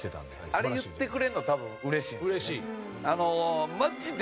あれ言ってくれるのたぶん嬉しいですよね。